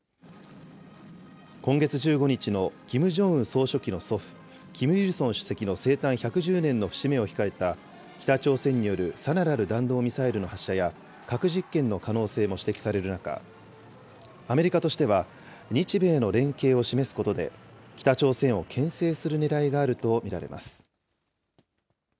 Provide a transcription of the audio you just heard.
今月１５日のキム・ジョンウン総書記の祖父、キム・イルソン主席の生誕１１０年の節目を控えた、北朝鮮によるさらなる弾道ミサイルの発射や核実験の可能性も指摘される中、アメリカとしては、日米の連携を示すことで、北朝鮮をけん制するねらいがあると見られます。